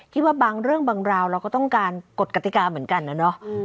คิดว่าบางเรื่องบางราวเราก็ต้องการกฎกติกาเหมือนกันนะเนาะ